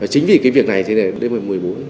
chính vì cái việc này thì đêm một mươi bốn